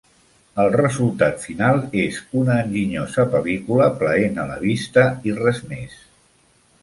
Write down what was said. El resultat final és una enginyosa pel·lícula plaent a la vista i res més.